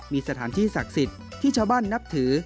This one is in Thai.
มีสถานที่ศักดิ์สิทธิ์ที่ชาวบ้านนับถือ